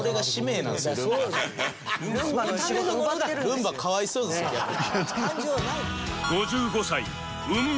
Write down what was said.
ルンバかわいそうですよ逆に。